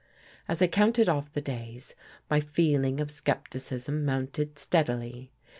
As I counted off the days, my feeling of skepticism mounted steadily.